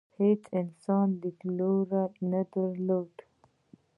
هېڅ انساني لیدلوری یې نه درلود.